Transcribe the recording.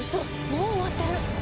もう終わってる！